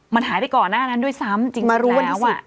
มันหายไปก่อนด้านนั้นด้วยซ้ำจริงแล้ว